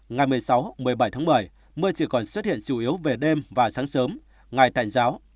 ngày một mươi sáu một mươi bảy tháng một mươi mưa chỉ còn xuất hiện chủ yếu về đêm và sáng sớm ngày tạnh giáo